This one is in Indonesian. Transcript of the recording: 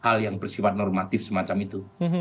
hal yang bersifat normatif semacam itu